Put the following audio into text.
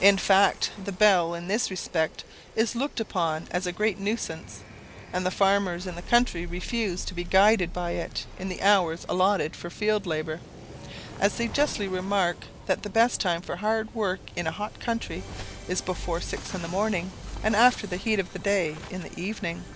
In fact, the bell in this respect is looked upon as a great nuisance; and the farmers in the country refuse to be guided by it in the hours allotted for field labour; as they justly remark that the best time for hard work in a hot country is before six in the morning, and after the heat of the day in the evening.